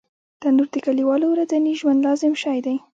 تنور د کلیوالو ورځني ژوند لازم شی دی